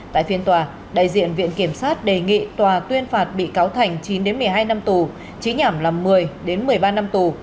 tại phiên tòa đại diện viện kiểm sát đề nghị tòa tuyên phạt bị cáo thành chín một mươi hai năm tù trí nhảm là một mươi một mươi ba năm tù